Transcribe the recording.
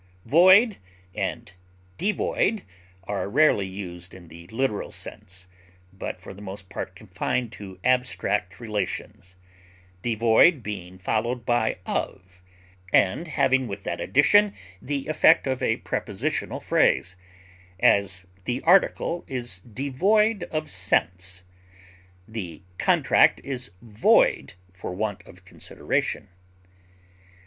Void and devoid are rarely used in the literal sense, but for the most part confined to abstract relations, devoid being followed by of, and having with that addition the effect of a prepositional phrase; as, the article is devoid of sense; the contract is void for want of consideration.